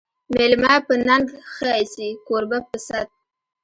مېلمه په ننګ ښه ایسي، کوربه په صت